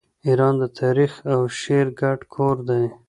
ایران د تاریخ او شعر ګډ کور دی.